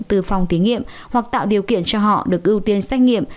từ phòng thí nghiệm hoặc tạo điều kiện cho họ được ưu tiên xét nghiệm